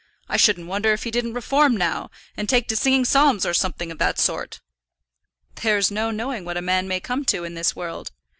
I shouldn't wonder if he didn't reform now, and take to singing psalms or something of that sort." "There's no knowing what a man may come to in this world."